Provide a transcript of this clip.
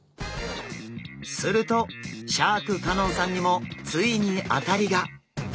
するとシャーク香音さんにもついに当たりが！